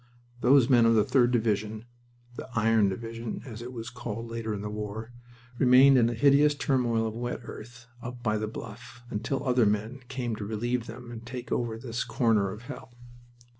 Those men of the 3d Division the "Iron Division," as it was called later in the war remained in a hideous turmoil of wet earth up by the Bluff until other men came to relieve them and take over this corner of hell.